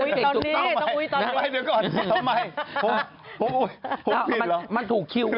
ต้องอุ้ยตอนนี้